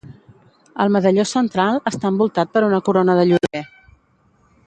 El medalló central està envoltat per una corona de llorer.